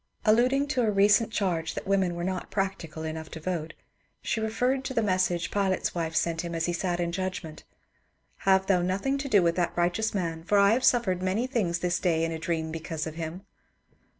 Alluding to a recent charge that women were not practical enough to vote, she referred to the message Pilate's wife sent to him as he sat in judgment, ^' Have thou nothing to do with that righteous man; for I have suffered many things this day in a dream because of him."